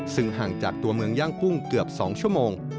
ซึ่งห่างจากตัวเมืองย่างกุ้งเกือบ๒ชั่วโมง